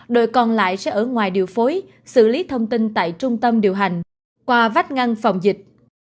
đội còn lại sẽ ở ngoài điều phối xử lý thông tin tại trung tâm điều hành qua vách ngăn phòng dịch